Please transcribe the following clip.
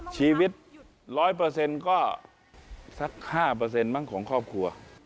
ชีวิตร้อยเปอร์เซ็นต์ก็สัก๕เปอร์เซ็นต์บ้างของครอบครัว